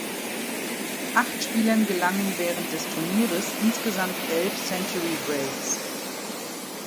Acht Spielern gelangen während des Turnieres insgesamt elf Century Breaks.